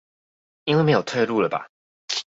因為沒有退路了吧